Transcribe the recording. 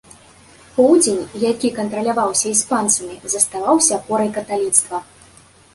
Поўдзень, які кантраляваўся іспанцамі, заставаўся апорай каталіцтва.